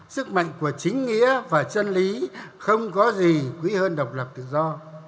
sức mạnh của chính nghĩa và chân lý không có gì quý hơn độc lập tự do